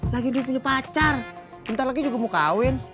lagi dua punya pacar ntar lagi juga mau kawin